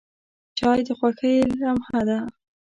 چای د خوښۍ لمحه ده.